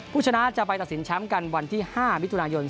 ผู้ชนะจะไปตัดสินแชมป์กันวันที่๕มิถุนายน